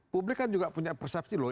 publik kan juga punya persepsi loh